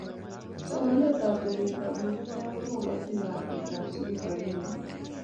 Somanetab chobisietab amitwogik kokochini lakwetab sukul robinik